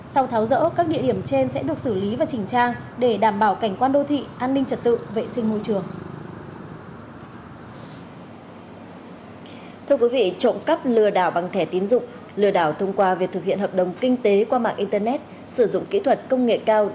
sau tháo rỡ các địa điểm trên sẽ được xử lý và chỉnh trang để đảm bảo cảnh quan đô thị an ninh trật tự vệ sinh môi trường